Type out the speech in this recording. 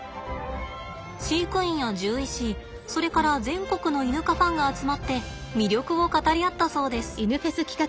飼育員や獣医師それから全国のイヌ科ファンが集まって魅力を語り合ったそうです。